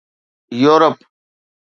Europe